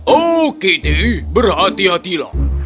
oke dih berhati hatilah